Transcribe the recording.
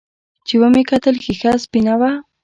چې ومې کتل ښيښه سپينه وه.